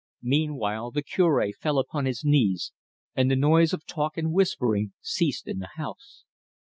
Meanwhile the Cure fell upon his knees, and the noise of talk and whispering ceased in the house.